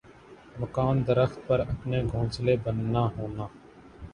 مکان درخت پر اپنا گھونسلے بننا ہونا